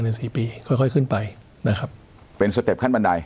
เป็นสี่ปีค่อยค่อยขึ้นไปนะครับเป็นสเต็ปขั้นบันได